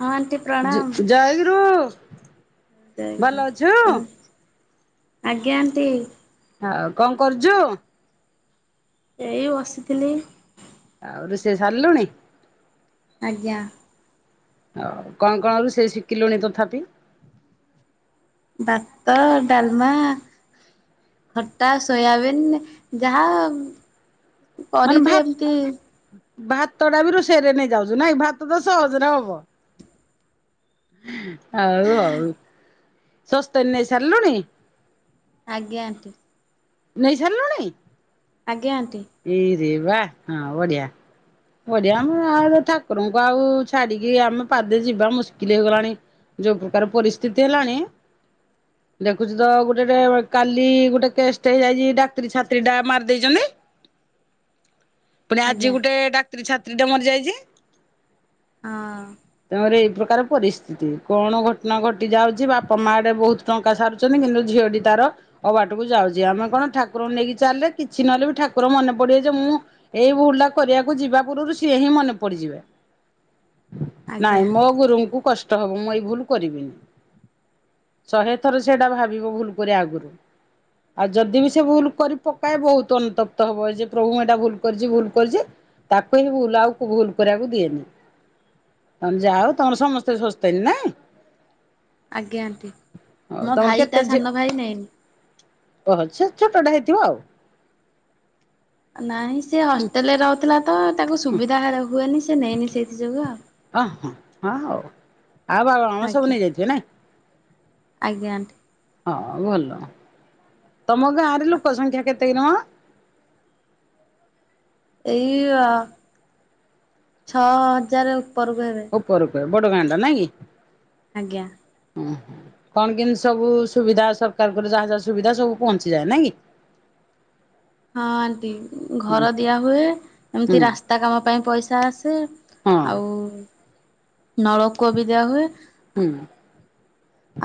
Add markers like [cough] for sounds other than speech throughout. ହଁ ଆଣ୍ଟି ଜ୍ ପ୍ରଣାମ ଜୟଗୁରୁ। ଭଲ ଜୟଗୁରୁ ଅଛୁ କଣ ଆଜ୍ଞା ଆଣ୍ଟି। ଆଉ କଣ କରୁଛୁ? ଏଇ ବସିଥିଲି। ଆଉ ରୁଷେଇ ସାରିଲୁଣି? ଆଜ୍ଞା। ହଉ କଣ କଣ ରୁଷେଇ ଶିଖିଲୁଣି ତଥାପି? ଭାତ ଡାଲମା ଖଟା ସୋୟାବିନ୍ ଯାହା ମାନେ କରିଦିଏ ଏମିତି ଭାତ ଭାତଟା ବି ରୋଷେଇରେ ନେଇ ଯାଉଛୁ ନାଇଁ ଭାତ ତ ସହଜରେ ହବ। ହଉ ହଉ। ଶସ୍ତା ରେ ନେଇ ସାରିଲୁଣି। ଆଜ୍ଞା ଆଣ୍ଟୀ। ନେଇ ସାରିଲୁଣି? ଆଜ୍ଞା ଆଣ୍ଟି। ଏଇ ରେ ବାଃ ହଁ ବଢ଼ିଆ। ବଢିଆ ଆମ ଆ ଠାକୁରଙ୍କୁ ଆଉ ଛାଡିକି ଆମେ ପାଦେ ଯିବା ମୁସ୍କିଲ ହେଇଗଲାଣି। ଯୋଉ ପ୍ରକାର ପରିସ୍ଥିତି ହେଲାଣି ଦେଖୁଛୁ ତ ଗୋଟେ ଗେ କାଲି ଗୋଟେ କେସ୍ ଟେ ହେଇଯାଇଛି ଡାକ୍ତରୀ ଛାତ୍ରୀ ଟା ମାରି ଦେଇଛନ୍ତି। ପୁଣି ଆଜି ଆଜ୍ଞା ଗୋଟେ ଡାକ୍ତରୀ ଛାତ୍ରୀ ଟେ ମରି ଯାଇଛି। ହଁ। ତେମରି ଏଇ ପ୍ରକାର ପରିସ୍ଥିତି କଣ ଘଟଣା ଘଟି ଯାଉଛି ବାପା ମା ଆଡେ ବହୁତ ଟଙ୍କା ସାରୁଛନ୍ତି କିନ୍ତୁ ଝିଅଟି ତାର ଅ ବାଟକୁ ଯାଉଛି ଆମେ କଣ ଠାକୁରଙ୍କୁ ନେଇକି ଚାଲିଲେ କିଛି ନହେଲେ ବି ଠାକୁର ମନେ ପଡିବେ ଯେ ମୁଁ ଏଇ ଭୁଲ ଟା କରିବାକୁ ଯିବା ଗୁରୁରୁ ସିଏ ହିଁ ମନେ ପଡିଯିବେ। ନାଇଁ ଆଜ୍ଞା ମୋ ଗୁରୁଙ୍କୁ କଷ୍ ଟ ହେବ ମୁଁ ଏଇ ଭୁଲ କରିବିନି। ଶହେ ଥର ସେଇଟା ଭାବିବ ଭୁଲ କରି ଆଗରୁ। ଆଉ ଯଦି ବି ସେ ଭୁଲ କରି ପକାଏ ବହୁତ ଅନତପ୍ତ ହବ ଯେ ପ୍ରଭୁ ମୁ ଏଟା ଭୁଲ କରିଛି ଭୁଲ କରିଛି। ତାକୁ ବିି ଭୁଲ ଆଉକୁ ଭୁଲ କରିବାକୁ ଦିଏନି। ତମେ ଯାଅ ହଉ ତମର ସମସ୍ତେ ଶସ୍ ହେନ ନାଇ। ଆଜ୍ଞା ଆଣ୍ଟି ହଉ ମୋ ତମର ଭାଇ ତା ସାନ ଭାଇ ନାଇନି ହହ ସେ ଛୋଟଟା ହେଇଥିବ ଆଉ। ନାଇଁ ସେ ହଷ୍ଟେଲ ରେ ରହୁଥିଲା ତ ତାକୁ ହଁ ସୁବିଧା ହୁଏନି ସେ ନେଇନି ସେଇଥି ଯୋଗୁ ଆଉ। ହଁ ହଁ ହଁ ହଉ ଆଉ ଭଳମାଗ ସବୁ ଆଜ୍ଞା ନେଇଯାଇଥିବେ ନାଇ। ଆଜ୍ଞା ଆଣ୍ଟି। ହଁ ଭଲ। ତମ ଗାଁ ରେ ଲୋକ ସଂଖ୍ୟା କେତେ କିଲୋ ମା? ଏଇ ଅ ଛଅ ହଜାର ଉପରକୁ ହେବେ। ଉପରକୁ ବଡ଼ଗାଁଟା ନାଇ କି? ଆଜ୍ଞା। ହୁଁ। କଣ କେମିତି ସବୁ ସୁବିଧା ସରକାରଙ୍କର ଯାହା ଯାହା ସୁବିଧା ସବୁ ପହଞ୍ଚିଯାଏ ନାଇ କି। [inaudible] ହଁ ଆଣ୍ଟି ହୁଁ ଘର ଦିଆ ହୁଏ ହୁଁ ଏମିତି ରାସ୍ତା କାମ ପାଇଁ ପଇସା ଆସେ। ହଁ ଆଉ ନଳକୂଅ ବି ଦିଆ ହୁଏ। ହୁଁ।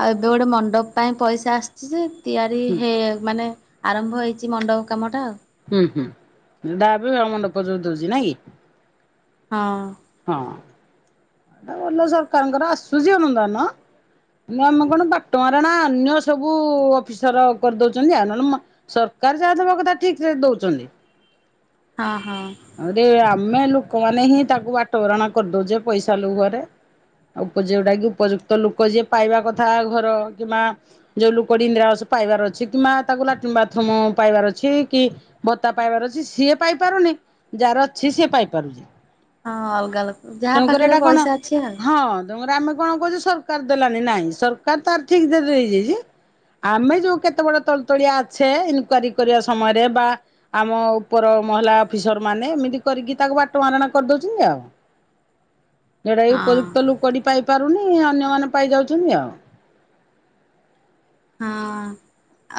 ଆଉ ଏବେ ଗୋଟେ ମଣ୍ଡପ ପାଇଁ ପଇସା ଆସିଛି ଯେ ତିଆରି ହୁଁ। ହେଇ ମାନେ ଆରମ୍ଭ ହୋଇଛି ମଣ୍ଡପ କାମଟା ଆଉ। ହୁଁ ହୁଁ ତାହା ବି ମଣ୍ଡପ ଯୋଉ ଦଉଛି ନାଇ କି? ହଁ। ହଁ ବଲ ସରକାରଙ୍କର ଆସୁଛି ଆଣ ଦ ନା ନା ଆମେ କଣ ବାକ୍ଟ ମହାରାଣା ଅନ୍ୟ ସବୁ ଅଫିସର କରିଦଉଛନ୍ତି ଆ ନହନେ ମ ସରକାର ଯାହା ଦେବା କଥା ଠିକ ସେ ଦଉଛନ୍ତି। ହଁ ହଁ। ଆଉରେ ଆମେ ଲୋକମାନେ ହିଁ ତାକୁ ବାଟ ବରଣା କରିଦଉଛେ ପଇସା ଲୋଭରେ। ଉପ ଯୋଉଟା କି ଉପଯୁକ୍ତ ଲୋକ ଯିଏ ପାଇବା କଥା ଘର କିମ୍ବା ଯୋଉ ଲୁକଟି ଇନ୍ଦିରାବାସ ପାଇବାର ଅଛି କିମ୍ବା ତାକୁ ଲାଟିନ୍ ବାଥରୁମ ପାଇବାର ଅଛି କି ଭତ୍ତା ପାଇବାର ଅଛି ସିଏ ପାଇପାରୁନି ଯାହାର ଅଛି ସିଏ ପାଇପାରୁଛି। ହଁ ଅଲଗା ଲୋକ ଯାହା ପାଖରେ ପଇସା ଅଛି ଆଉ। ତମର ଆମେ କଣ କହୁଛେ ସରକାର ଦେଲାନି ନାଇଁ ସରକାର ତାର ଠିକ ଦେ ଦେଇଛି। ଆମେ ଯୋଉ କେତେଗୁଡ଼େ ତଳ ତଳିଆ ଆଛେ ଇନକ୍ୱାରି କରିବା ସମୟରେ ବା ଆମ ଉପର ମହଲା ଅଫିସ ର ମାନେ ଏମିତି କରିକି ତାକୁ ବାଟ ମାରଣା କରିଦଉଛନ୍ତି ଆଉ। ଯୋଉଟା କି ହଁ ଉପଯୁକ୍ତ ଲୋକ କଡ଼ି ପାଇପାରୁନି ଅନ୍ୟମାନେ ପାଇ ଯାଉଛନ୍ତି ଆଉ। ହଁ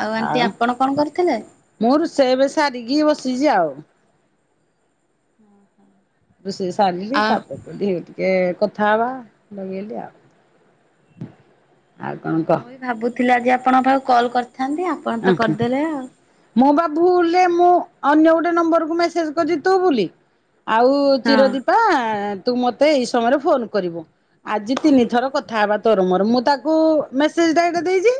ଆଉ ଆଣ୍ଟି ଆପଣ କଣ କରିଥିଲେ? ମୁଁ ରୋଷେଇ ଏବେ ସାରିକି ବସିଚି ଆଉ। ଅ ହୋ। ରୋଷେଇ ସାରିଲି ତାପରେ [unintelligible] ହେଇଗଲି। ଟିକେ କଥା ହବା ଲଗେଇଲି ଆଉ ଆଉ କଣ କହ। ମୁଁ ବି ଭାବୁଥିଲି ଆଜି ଆପଣଙ୍କ ପାଖକୁ କଲ୍ କରିଥାନ୍ତି ଆପଣ ତ କହ? କରିଦେଲେ ଆଉ। ମୁଁ ବା ଭୁଲ ରେ ମୁଁ ଅନ୍ୟ ଗୋଟେ ନମ୍ବରକୁ ମେସେଜ କରି ତୁ ବୋଲି ଆଉ ହଁ ଚିରଦୀପା ତୁ ମୋତେ ଏହି ସମୟରେ ଫୋନ କରିବୁ। ଆଜି ତିନି ଥର କଥା ହେବା ତୋର ମୋର ମୁଁ ତାକୁ ମେସେଜ ଟା ଏଇଟା ଦେଇଚି।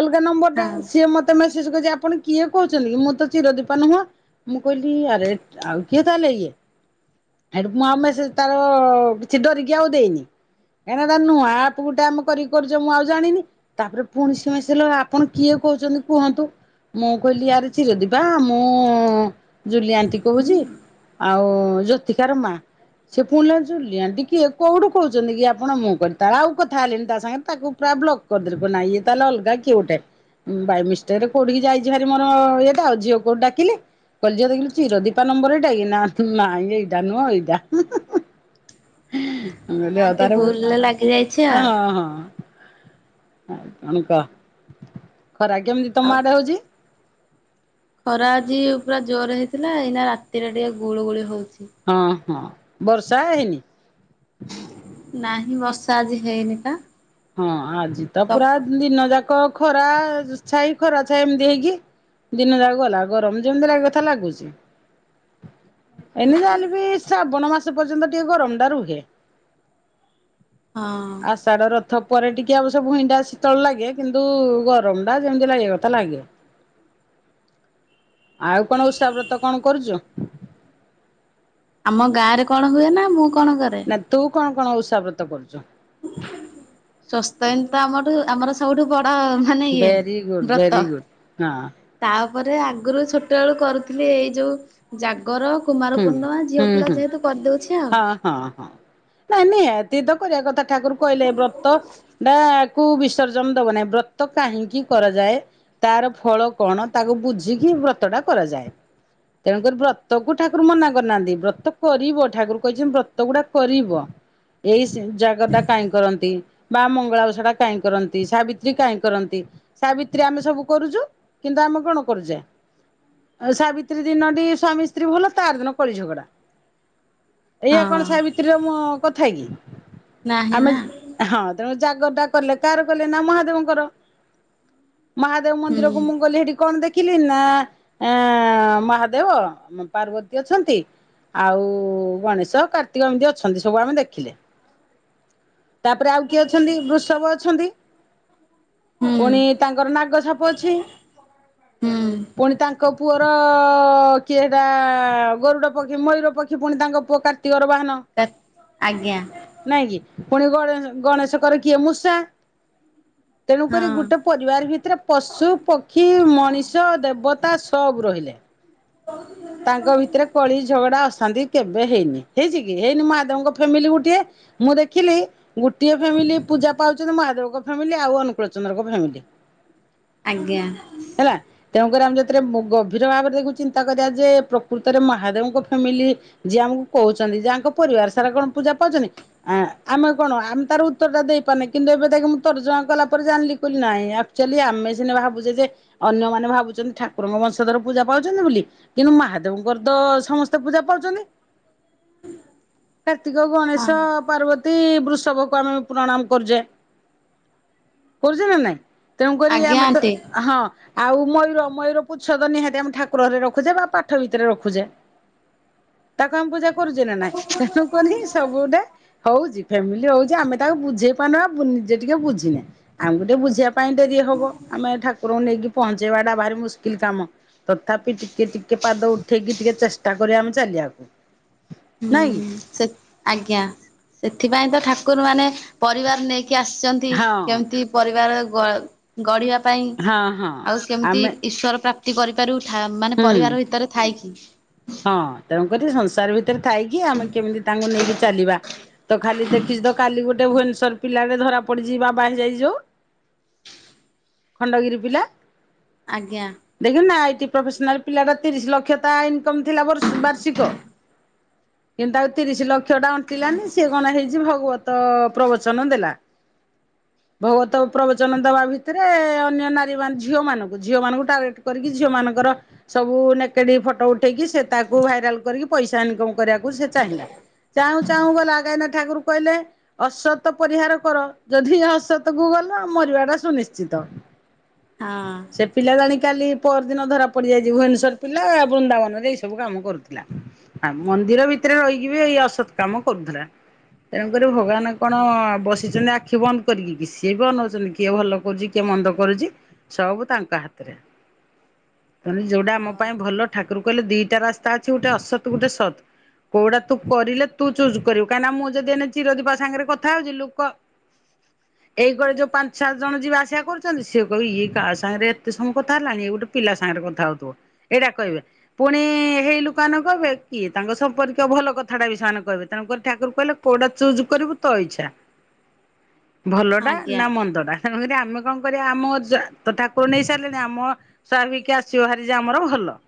ଅଲଗା ନମ୍ବର ଟା ହଁ ସିଏ ମତେ ମେସେଜ କରିଚି ଆପଣ କିଏ କହୁଚନ୍ତି ମୁଁ ତ ଚିରଦୀପା ନୁହଁ। ମୁଁ କହିଲି ଆରେ ଆଉ କିଏ ତାହେଲେ ଇଏ। ଏଠୁ ମୁଁ ଆଉ ମେସେଜ ତାର କିଛି ଡରିକି ଆଉ ଦେଇନି। କାହିଁକିନା ଏଇଟା ନୂଆ ଆପ ଗୋଟେ ଆମେ କରିକି କରୁଚେ ମୁଁ ଆଉ ଜାଣିନି ତାପରେ ପୁଣି ସିଏ ମେସେଜ ଲା ଆପଣ କିଏ କହୁଚନ୍ତି କୁହନ୍ତୁ ମୁଁ କହିଲି ୟାରେ ଚିରଦୀପା ମୁଁ ଜୁଲି ଆ ଣ୍ଟି ହୁଁ। କହୁଚି ଆଉ ଜ୍ୟୋତିକା ର ମାଆ। ସେ ପୁଣି ଲା ଜୁଲି ଆଣ୍ଟି କିଏ କୋଉଠୁ କହୁଚନ୍ତି କି ଆପଣ ମୁଁ କହିଲି ତାରେ ଆଉ କଥା ହେଲିନି ତା ସାଙ୍ଗେରେ ତାକୁ ପୁରା ବ୍ଲକ କରିଦେଲି ମୁଁ କହିଲି ନାଇଁ ଇଏ ତାହେଲେ ଅଲଗା କିଏ ଗୋଟେ। ଉଁ ବାଇ ମିଷ୍ଟେକ ରେ କୋଉଠିକି ଯାଇଚି ଭାରି ମୋର ଇଏଟା ଆଉ ଝିଅ କୁ ଡାକିଲି। କଇଲି ଝିଅ ଦେଖିଲୁ ଚୀରଦୀପା ନମ୍ବର ଏଇଟା କି ନା ନାଇଁ ଏଇଟା ନୁଅଁ ଏଇଟା ହୁଁ ହୁଁ ହୁଁ। ମୁଁ ହଁ କହିଲି ହଉ ଆଣ୍ଟି ତାହେଲେ ମୁଁ ଭୁଲରେ ଲାଗି ଯାଇଛି ଆ ଆଉ ହଁ ହଁ। ଖରା କେମିତି ତମ ଆଉ ଆଡେ ହଉଚି? ଖରା ଆଜି ପୁରା ଜୋରେ ହେଇଥିଲା ଏଇନା ରାତିରେ ଟିକେ ଗୁଳୁ ଗୁଳି ହଉଛି। ହଁ ହଁ ବର୍ଷା ହେଇନି? ନାହିଁ ବର୍ଷା ଆଜି ହେଇନି ଟା। ହଁ ଆଜି ତ ପୁରା ଦିନ ଯାକ ଖରା ଛାଇ ଖରା ଛାଇ ଏମତି ହେଇକି ଦିନ ଯାଉ ଗଲା ଗରମ ଯେମତି ଲାଗେ କଥା ଲାଗୁଛି। ଏଇନେ ଯାହା ହେଲେ ବି ଶ୍ରାବଣ ମାସ ପର୍ଯ୍ୟନ୍ତ ଟିକେ ଗରମ ଟା ରୁହେ। ହଁ। ଆଷାଢ ରଥ ପରେ ଟିକେ ଅବସ୍ୟ ଭୁଇଁଟା ଶୀତଳ ଲାଗେ କିନ୍ତୁ ଗରମଟା ଯେମତି ଲାଗିଆ କଥା ଲାଗେ। ଆଉ କଣ ଓଷା ବ୍ରତ କଣ କରୁଚୁ? ଆମ ଗାଁ ରେ କଣ ହୁଏ ନା ମୁଁ କଣ କରେ? ନା ତୁ କଣ କଣ ଓଷା ବ୍ରତ କରୁଚୁ? ସୋସ୍ତେନ ତ ଆମଠୁ ଆମର ସବୁଠୁ ବଡ ମାନେ ଇଏ ଭେରି ଗୁଡ୍ ବ୍ରତ ଭେରି ଗୁଡ୍ ହଁ। ତାପରେ ଆଗୁରୁ ଛୋଟ ବେଳୁ କରୁଥିଲି ଏଇ ଯୋଉ ଜାଗର। କୁମାର ହୁଁ ପୂର୍ଣ୍ଣମା ଝିଅ ହୁଁ ପିଲା ହୁଁ ଯେହେତୁ କରଦଉଛି ଆଉ। ହଁ ହଁ ହଁ ନାଇଁ ନିହାତି ତ କରିଆ କଥା ଠାକୁର କହିଲେ ଏ ବ୍ରତ ଟା କୁ ବିସର୍ଜନ ଦବ ନାହିଁ ବ୍ରତ କାହିଁକି କରାଯାଏ। ତାର ଫଳ କଣ ତାକୁ ବୁଝିକି ବ୍ରତ ଟା କରାଯାଏ ତେଣୁ କରି ବ୍ରତ କୁ ଠାକୁର ମନା କରିନାହାନ୍ତି ବ୍ରତ କରିବ ଠାକୁର କହିଛନ୍ତି ବ୍ରତ ଗୁଡା କରିବ। ଏଇ ସି ଜାଗର ଟା କାହିଁ କରନ୍ତି। ବା ମଙ୍ଗଳା ଓଷା ଟା କାଇଁ କରନ୍ତି ସାବିତ୍ରୀ କାଇଁ କରନ୍ତି। ସାବିତ୍ରୀ ଆମେ ସବୁ କରୁଚୁ କିନ୍ତୁ ଆମେ କଣ କରୁଚେ। ଆଉ ସାବିତ୍ରୀ ଦିନ ଟି ସ୍ଵାମୀ ରାତି ରେ ଭଲ ତାର ଦିନ କଳି ଝଗଡା। ଏଇଆ କଣ ସାଇ ଭି ହଁ ତରେ ମ କଥା କି। ନାହିଁ ଆମେ ନା ହଁ। ତେଣୁ ଜାଗର ଟା କଲେ କାହାର କଲେ ନା ମହାଦେବଙ୍କର। ମହା ମହାଦେବ ହୁଁ ମନ୍ଦିରକୁ ମୁଁ ଗଲି ହେଠି କଣ ଦେଖିଲି ନା ମହାଦେବ ପାର୍ବତୀ ଅଛନ୍ତି। ଆଉ ଗଣେଶ କାର୍ତ୍ତିକ ଏମିତି ଅଛନ୍ତି ସବୁ ଆମେ ଦେଖିଲେ। ତାପରେ ଆଉ କିଏ ଅଛନ୍ତି ବୃଷବ ଅଛନ୍ତି। ହୁଁ ପୁଣି ତାଙ୍କର ନାଗ ସାପ ଅଛି। ହୁଁ। ପୁଣି ତାଙ୍କ ପୁଅର କିଏ ରା ଗରୁଡ ପକ୍ଷୀ ମୟୂର ପକ୍ଷୀ ପୁଣି ତାଙ୍କ ପୁଅ କାର୍ତ୍ତିକର ବାହାନ। ଆଜ୍ଞା। ନାଇଁ କିି। ପୁଣି ଗଣେଶ ଗଣେଶଙ୍କର କିଏ ମୂଷା। ତେଣୁକରି ହଁ ଗୋଟେ ପରିବାର ଭିତରେ ପଶୁ, ପକ୍ଷୀ, ମଣିଷ ଦେବତା ସବୁ ରହିଲେ। ତାଙ୍କ ଭିତରେ କଳି ଝଗଡା ଅଶାନ୍ତି କେବେ ହେଇନି। ହେଇଚି କି? ହେଇନି ମହାଦେବଙ୍କ ଫ୍ୟାମିଲି ଗୋଟିଏ ମୁଁ ଦେଖିଲି ଗୋଟିଏ ଫ୍ୟାମିଲି ପୂଜା ପାଉଛନ୍ତି ମହାଦେବଙ୍କ ଫ୍ୟାମିଲି। ଆଉ ଅନୁକୂଳ ଚନ୍ଦ୍ରଙ୍କ ଫ୍ୟାମିଲି। ଆଜ୍ଞା। ହେଲା। ତେୁକରି ଆମେ ଯେତେବେଳେ ଗଭୀର ଭାବରେ ଦେଖୁ ଚିନ୍ତା କରିବା ଯେ ପ୍ରକୃତରେ ମହାଦେବଙ୍କ ଫ୍ୟାମିଲି ଯିଏ ଆମକୁ କହୁଛନ୍ତି ଯାହାଙ୍କ ପରିବାର ସାରା କଣ ପୂଜା ପାଉଚନ୍ତି ଆ ଆମେ କଣ ଆମେ ତାର ଉତ୍ତର ଟା ଦେଇପାରୁନେ। କିନ୍ତୁ ଏବେ ଦେଖ୍ ମୁଁ ତାର ତର୍ଜମା କଲା ପରେ ଜାଣିଲି କହିଲି ନାହିଁ ଆକଚୁଆଲି ଆମେ ସିନା ଭାବୁଚେ ଯେ ଅନ୍ୟମାନେ ଭାବୁଛନ୍ତି ଠାକୁରଙ୍କ ବଂଶଧର ପୂଜା ପାଉଛନ୍ତି ବୋଲି। କିନ୍ତୁ ମହାଦେବଙ୍କର ତ ସମସ୍ତେ ପୂଜା ପାଉଛନ୍ତି। କାର୍ତ୍ତିକ, ହଁ ଗଣେଶ, ପାର୍ବ ତୀ ବୃଷଭକୁ ଆମେ ପ୍ରଣାମ କରୁଚେ। କରୁଚେ ନା ନାଇଁ? ତେଣୁକରି ଆଜ୍ଞା ଆମେ ତ ଆଣ୍ଟି ହଁ ଆଉ ମୟୂର ମୟୂର ପୁଚ୍ଛ ତ ନିହାତି ଆମେ ଠାକୁର ଘରେ ରଖୁଚେ ବା ପାଠ ଭିତରେ ରଖୁଚେ। ତାକୁ ଆମେ ପୂଜା କରୁଚେ ନା ନାଇଁ। ତେଣୁକରିି ସବୁଟେ ହଉଚି ଫ୍ୟାମିଲି ହଉଚି ଆମେ ତାକୁ ବୁଝେଇ ପାରୁନେ ବା ନିଜେ ଟିକେ ବୁଝିିନେ। ଆମକୁ ଟିକେ ବୁଝିବା ପାଇଁ ଡେରି ହବ। ଆମେ ଠାକୁରଙ୍କୁ ନେଇକି ପହଞ୍ଚେଇବା ଟା ଭାରି ମୁସ୍କିଲ କାମ। ତଥାପି ଟିକେ ଟି ଟିକେ ପାଦ ଉଠେଇକି ଟିକେ ଚେଷ୍ଟା କରିବା ଆମେ ଚାଲିବାକୁ। ନାଇଁ କି? ହୁଁ ସେ ଆଜ୍ଞା। ସେଥିପାଇଁ ତ ଠାକୁର ମାନେ ପରିବାର ନେଇକି ଆସିଛନ୍ତି ହଁ କେମିତି ପରିବାର ଗ ଗଢିବା ପାଇଁ। ହଁ ହଁ ଆଉ କେମିତି ଆମେ ଈଶ୍ୱର ପ୍ରାପ୍ତ ପ୍ତି କରିପାରୁବୁ ଥା ମାନେ ହୁଁ ପରିବାର ଭିତରେ ଥାଇକି। ହଁ। ତେଣୁକରି ସଂସାର ଭିତରେ ଥାଇକି ଆମେ କେମିତି ତାଙ୍କୁ ନେଇକି ଚାଲିବା ତ ଖାଲି ଦେଖିଚି ତ କାଲି ଗୋଟେ ଭୁବନେଶ୍ଵର ପିଲା ଟେ ଧରା ପଡିଚି ବାବା ହେଇଯାଇଚି ଯଉ। ଖଣ୍ଡଗିରି ପିଲା। ଆଜ୍ଞା। ଦେଖୁନି ନା ଆଇଟି ପ୍ରଫେସନାଲ ପିଲାଟା ତିରିଶ ଲକ୍ଷ ତା ଇନ୍ କମ ଥିଲା ବର୍ଷ ବାର୍ଷିକ। କିନ୍ତୁ ତାକୁ ତିରିଶ୍ ଲ କ୍ଷ ଟା ଅଣ୍ଟିଲାନି ସିଏ କଣ ହେଇଚି ଭଗବତ ପ୍ରବଚନ ଦେଲା। ଭଗବତ ପ୍ରବଚନ ଦବା ଭିତରେ ଅନ୍ୟ ନାରୀ ମାନେ ଝିଅମାନଙ୍କୁ ଝିଅମାନଙ୍କୁ ଟାର୍ଗେଟ କରିକି ଝିଅମାନଙ୍କର ସବୁ ନେକେଡି ଫଟୋ ଉଠେଇକି ସେ ତାକୁ ଭାଇରାଲ କରିକି ପଇସା ଇନକମ କରିବାକୁ ସେ ଚାହିଁଲା। ଚାହୁଁ ଚାହୁଁ ଗଲା ଗାଇନାଥ ଠାକୁର କହିଲେ। ଅସତ ପରିହାର କର ଯଦି ହସତ କୁ ଗଲ ମରିବା ଟା ସୁନିଶ୍ଚିତ। [inaudible] ହଁ ସେ ପିଲା ଜାଣି କାଲି ପର ଦିନ ଧରା ପଡ଼ିଯାଇଛି ଭୁବନେଶ୍ୱର ପିଲା ବୃନ୍ଦାବନ। ଏଇ ସବୁ କାମ କରୁଥିଲା ଆଁ ମନ୍ଦିର ଭିତରେ ରହିକି ବି ଏଇ ଅସତ୍ କାମ କରୁଥିଲା। ତେଣୁକରି ଭଗବାନ କଣ ଆଜ୍ଞା ବସିଛନ୍ତି ଆଖି ବନ୍ଦ କରିକି କି ସିଏ ବି ଅନଉଛନ୍ତି କିଏ ଭଲ କରୁଛି କିଏ ମନ୍ଦ କରୁଛି ସବୁ ତାଙ୍କ ହାତରେ ତେଣି ଯୋଉଟା ଆମ ହଉ ପାଇଁ ଆଣ୍ଟି। ଭଲ ଠାକୁର କହିଲେ ଦିଟା ରାସ୍ତା ଅଛି ଗୋଟେ ଅସତ ଗୋଟେ ସତ। କୋଉଟା ତୁ କରିଲେ ତୁ ଚୂଜ କରିବୁ କାହିଁକିନା ମୁଁ ଯଦି ଏ ଚିରଦିବା ସାଙ୍ଗରେ କଥା ହଉଛି ଲୋକ। [inaudible] ଏଇ କଡ଼େ ଯୋଉ ପାଞ୍ଚ ସାତ ଜଣ ଯିବେ ଆସିବା କରୁଛନ୍ତି ସିଏ କହିବ ଇଏ କାହା ସାଙ୍ଗରେ ଏତେ ସମୟ କଥା ହେଲାଣି ଏ ଗୋଟେ ପିଲା ସାଙ୍ଗରେ କଥା ହଉଥିବ ଏଇଟା କହିବେ। ପୁଣି ହେଇ ଲୋକମାନେ କହିବେ କି ତାଙ୍କ ସମ୍ପର୍କୀୟ ଭଲ କଥାଟା ବି ସେମାନେ କହିବେ ତେଣୁକରି ଠାକୁର କହିଲେ କୋଉଟା ଚୁଜ କରିବୁ ତୋ ଇଚ୍ଛା ଭଲ ଟା ଆଜ୍ଞା ନା ମନ୍ଦ ଟା। ତେଣୁକରି ଆମେ କଣ କରିବା ଆମ [unintelligible] ଟା ଠାକୁର ନେଇସାରିଲାଣି ତ ସିଏ ବି କେ ଆସିବ ଭାରି ଯେ ଆମର ଭଲ।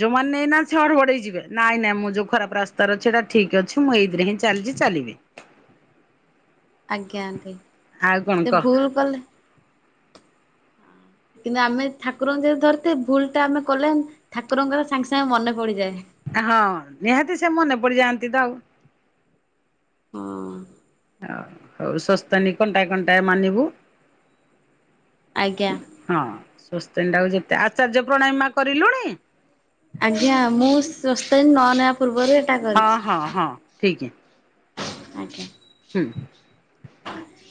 ଯୋଉମାନେ ନେଇ ନାହାଁନ୍ତି ସେମାନେ ଗୋଡେଇକି ଯିବେ ନାଇଁ ନାଇଁ ମୁଁ ଯୋଉ ଖରାପ ରାସ୍ତାରେ ଅଛି ସେଟା ଠିକ ଅଛି ମୁଁ ଏଇଥିରେ ହିଁ ଚାଲିଛି ଚାଲିବି। ଆଜ୍ଞା ଆଣ୍ଟି ଆଉ କଣ ସେ କହ ଭୁଲ କଲେ କିନ୍ତୁ ଆମେ ଠାକୁରଙ୍କୁ ଯଦି ଧରିଥିବୁ ଭୁଲ ଟା ଆମେ କଲେ ଠାକୁରଙ୍କର ସାଙ୍ଗେ ସାଙ୍ଗେ ମନେ ପଡ଼ିଯାଏ। ହଁ ନିହାତି ସେ ମନେ ପଡି଼ଯାଆନ୍ତି ତ ଆଉ ହଁ। ହଉ ହଉ ଶସ୍ତା ନିି କଣ୍ଟାଏ କଣ୍ଟାଏ ମାନିବୁ ଆଜ୍ଞା। [unintelligible] ଆଚାର୍ଯ୍ୟ ପ୍ରଣାଳୀ ମା କରିଲୁନି। [unintelligible] ହଁ ହଁ ହଁ ଠିକ୍। ଆଜ୍ଞା। ହୁଁ।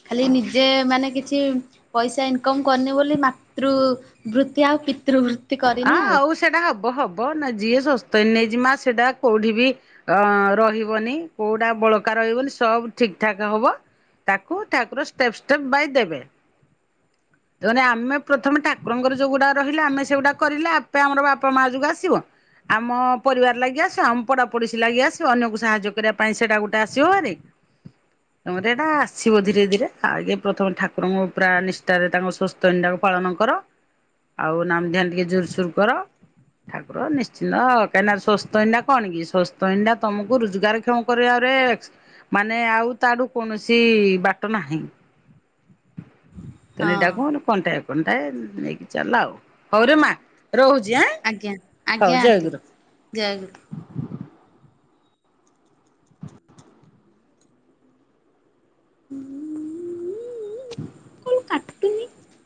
ଖାଲି ନିଜେ ମାନେ କିଛି ପଇସା ଇନକମ କରିନି ବୋଲି ମାତୃ ବୃତ୍ତି ଆଉ ପିତୃ ବୃତ୍ତି ଆ ଆଉ ସେଇଟା ହବ ହବ ନା ଯିଏ ସ୍ଵସ୍ତିକ ନେଇଛି ମା ସେଇଟା କୋଉଠି ବି ଅ ରହିବନି କୋଉଟା ବଳକା ରହିବନି ସବୁ ଠିକ ଠାକ ହବ। ତାକୁ ଠାକୁର ଷ୍ଟେପ୍ ଷ୍ଟେପ୍ ବାଇ ଦେବେ। ତ ମାନେ ଆମେ ପ୍ରଥମେ ଠାକୁରଙ୍କର ଯୋଉ ଗୁଡ଼ା ରହିଲା ଆମ ସେଗୁଡ଼ାକ କରିଲେ ଆପେ ଆମର ବାପା ମା ଯୋଗ ଆସିବ? ଆମ ପରିବାର ଲାଗି ଆସିବ ଆମ ପଡ଼ାପଡ଼ୋଶୀ ଲାଗି ଆସିବ ଅନ୍ୟକୁ ସାହାଯ୍ୟ କରିବା ପାଇଁ ସେଇଟା ଗୋଟେ ଆସିବ ଭାରି? [inaudible] ତମର ଏଇଟା ଆସିବ ଧୀରେ ଧୀରେ ଆଗେ ପ୍ରଥମେ ଠାକୁରଙ୍କ ପୁରା ନିଷ୍ଠାରେ ତାଙ୍କ ପାଳନ କର ଆଉ ନାମ ଧ୍ୟାନ ଟିକେ ଜୋର୍ ସୋର୍ କର ଠାକୁର ନିଶ୍ଚିନ୍ତ କାହିଁକି ନା ସ୍ଵସ୍ତିକ ଏଇନା କଣ କି ସ୍ଵସ୍ତିକ ଏଇନା ତମକୁ ରୋଜଗାର କ୍ଷମ କରିବା ମାନେ ଆଉ ତା ଠାରୁ କୌଣସି ବାଟ ନାହିଁ। [inaudible] ହଁ ତିନିଟା କୁନ କଣ୍ଟାଏ କଣ୍ଟାଏ ନେଇକି ଚାଲ ଆଉ ହଉରେ ମା ରହୁଛି ଆଁ। ଆଜ୍ଞା ହଉ ଆଜ୍ଞା ଆଣ୍ଟି ଜୟଗୁରୁ। ଜୟ ଗୁରୁ। [unintelligible] [unintelligible]